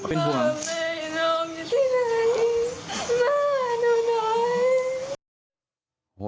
พ่อหรือแม่นับสมข่าวแล้วอยากให้ติดต่อกับมัน